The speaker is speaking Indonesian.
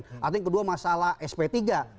artinya yang kedua masalah sp tiga diperpanjang